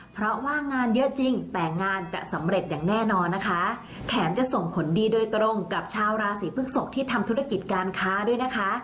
เพราะว่างานเยอะจริงแต่งานจะสำเร็จอย่างแน่นอนนะคะแถมจะส่งผลดีโดยตรงกับชาวราศีพฤกษกที่ทำธุรกิจการค้าด้วยนะคะ